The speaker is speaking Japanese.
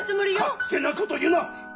勝手なこと言うな！